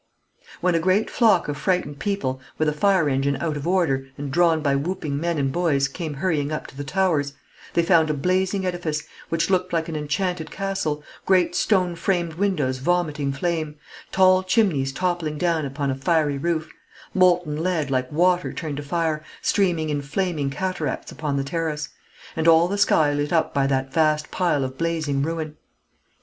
When a great flock of frightened people, with a fire engine out of order, and drawn by whooping men and boys, came hurrying up to the Towers, they found a blazing edifice, which looked like an enchanted castle great stone framed windows vomiting flame; tall chimneys toppling down upon a fiery roof; molten lead, like water turned to fire, streaming in flaming cataracts upon the terrace; and all the sky lit up by that vast pile of blazing ruin.